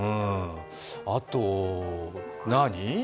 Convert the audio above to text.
あと何？